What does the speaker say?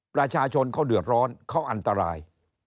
ประชาชนเขาเดือดร้อนเขาอันตราย